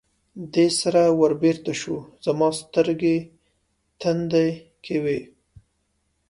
دې سره ور بېرته شو، زما سترګې تندې کې وې.